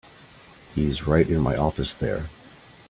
He's right in my office there.